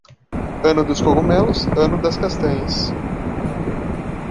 Ano dos cogumelos, ano das castanhas.